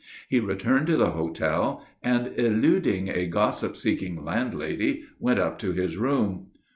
He returned to the hotel, and, eluding a gossip seeking landlady, went up to his room.